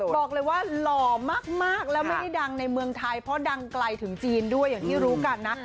บอกเลยว่าหล่อมากแล้วไม่ได้ดังในเมืองไทยเพราะดังไกลถึงจีนด้วยอย่างที่รู้กันนะ